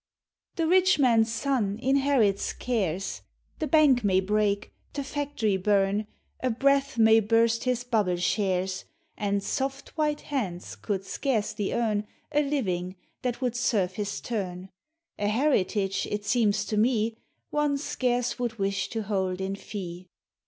The rich man's son inherits cares; The bank mav break, the factory burn. • 7 | 7 A breath mav burst his bubble shares; And soft, white hands could scarce! v earn A living that would serve his turn; A heritage, it seems to me, One scarce would wish to hold in fee.